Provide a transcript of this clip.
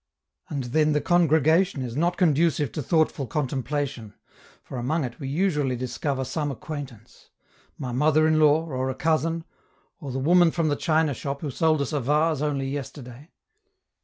And then the congregation is not conducive to thoughtful contemplation, for among it we usually discover some acquaintance: my mother in law, or a cousin, or the woman from the china shop who sold us a vase only yesterday.